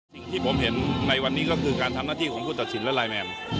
สิ่งที่ผมเห็นในวันนี้ก็คือการทำหน้าที่ของผู้ตัดสินและไลน์แมน